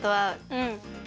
うん。